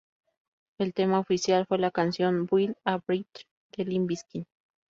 El tema oficial fue la canción "Build a Bridge" de Limp Bizkit.